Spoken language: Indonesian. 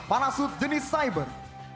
parasut jenis cyber